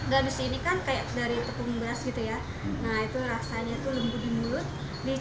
dan disini kan kaya dari tepung beras gitu ya nah itu rasanya itu lembut di mulut